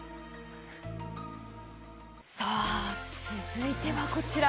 続いてはこちら。